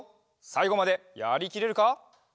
さいごまでやりきれるか？